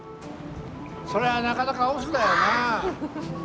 そりゃなかなか押忍だよな。